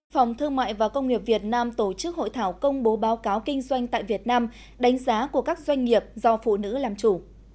phòng thương mại và công nghiệp việt nam tổ chức hội thảo công bố báo cáo kinh doanh tại việt nam đánh giá của các doanh nghiệp do phụ nữ làm chủ